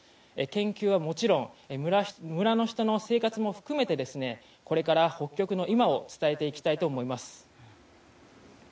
研究はもちろん村の人の生活も含めてこれから北極の今を伝えていきたいと思います。